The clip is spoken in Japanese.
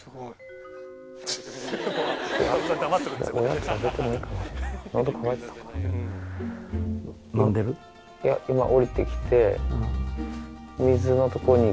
いや今。